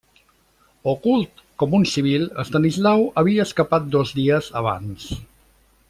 Ocult com un civil Estanislau havia escapat dos dies abans.